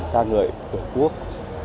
ca ngợi tổ quốc